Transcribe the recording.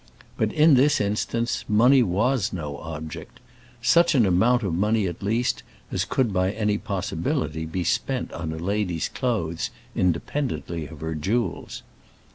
But, in this instance, money was no object; such an amount of money, at least, as could by any possibility be spent on a lady's clothes, independently of her jewels.